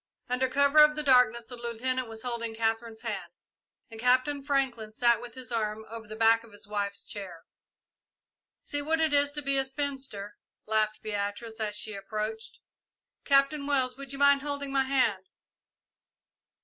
Under cover of the darkness the Lieutenant was holding Katherine's hand, and Captain Franklin sat with his arm over the back of his wife's chair. "See what it is to be a spinster," laughed Beatrice, as she approached. "Captain Wells, would you mind holding my hand?"